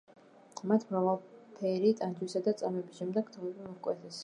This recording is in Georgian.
მათ მრავალფერი ტანჯვისა და წამების შემდეგ თავები მოჰკვეთეს.